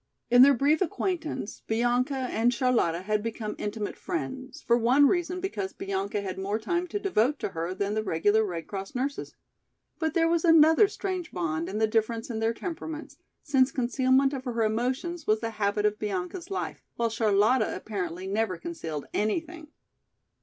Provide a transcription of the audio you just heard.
In their brief acquaintance Bianca and Charlotta had become intimate friends, for one reason because Bianca had more time to devote to her than the regular Red Cross nurses. But there was another strange bond in the difference in their temperaments, since concealment of her emotions was the habit of Bianca's life, while Charlotta apparently never concealed anything.